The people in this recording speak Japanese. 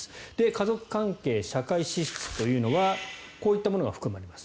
家族関係社会支出というのはこういったものが含まれます。